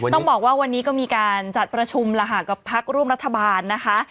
ต้องบอกว่าวันนี้ก็มีการจัดประชุมกับพักร่วมรัฐบาลนะคะ